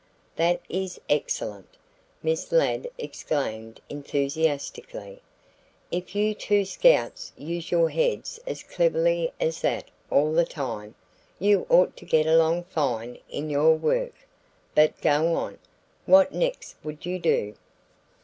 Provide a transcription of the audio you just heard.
"That is excellent!" Miss Ladd exclaimed enthusiastically. "If you two scouts use your heads as cleverly as that all the time, you ought to get along fine in your work. But go on. What next would you do?"